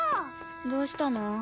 どうしたの？